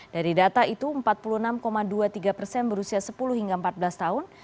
dari data itu empat puluh enam dua puluh tiga persen berusia sepuluh hingga empat belas tahun